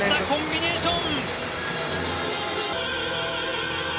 コンビネーション！